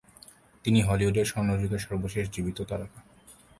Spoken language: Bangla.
তিনি হলিউডের স্বর্ণযুগের সর্বশেষ জীবিত তারকা।